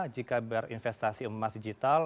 jika berinvestasi emas digital